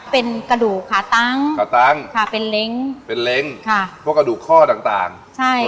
เป็นกระดูกขาตั้งขาตั้งค่ะเป็นเล้งเป็นเล้งค่ะพวกกระดูกข้อต่างต่างใช่